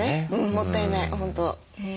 もったいない本当。